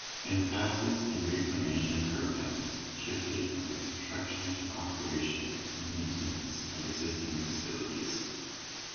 Emphasis in Reclamation programs shifted from construction to operation and maintenance of existing facilities.